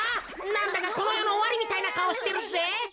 なんだかこのよのおわりみたいなかおしてるぜ。